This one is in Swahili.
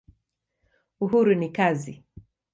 Uhuru ni kazi.